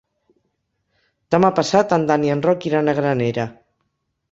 Demà passat en Dan i en Roc iran a Granera.